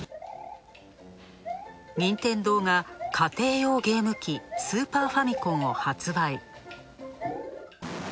任天堂が家庭用ゲーム機スーパーファミコンを発売。